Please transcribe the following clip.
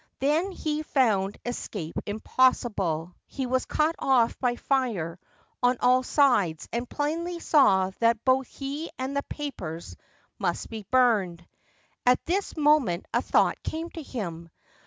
Then he found escape impossible. He was cut off by fire on all sides, and plainly saw that both he and the papers must be burned. At this moment a thought came to him.